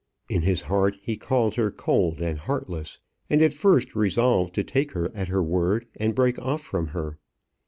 In his heart he called her cold and heartless, and at first resolved to take her at her word and break off from her.